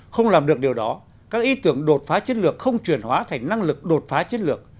không làm được điều đó các ý tưởng đột phá chiến lược không chuyển hóa thành năng lực đột phá chiến lược